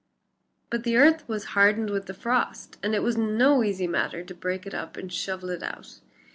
But the earth was hardened with the frost, and it was no easy matter to break it up and shovel it out.